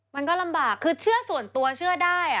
มันก็ลำบากคือเชื่อส่วนตัวเชื่อได้